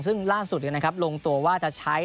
ซึ่งล่าสุดเลยนะครับลงตัวว่าจะใช้